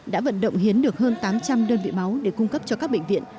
đã vận động hiến được hơn tám trăm linh đơn vị máu để cung cấp cho các bệnh viện